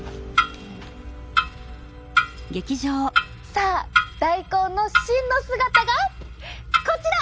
さあ大根の真の姿がこちら！